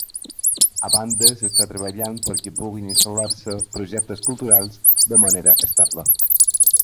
A banda, s’està treballant perquè puguin instal·lar-se projectes culturals de manera estable.